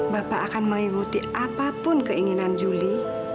bapak akan mengikuti apapun keinginan juli